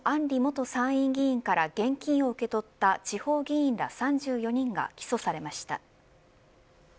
里元参院議員から現金を受け取った地方議員ら３４人が起訴されました。